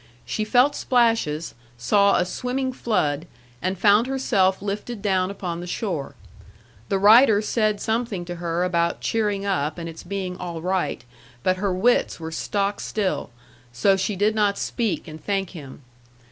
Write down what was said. She felt splashes, saw a swimming flood, and found herself lifted down upon the shore. The rider said something to her about cheering up, and its being all right, but her wits were stock still, so she did not speak and thank him.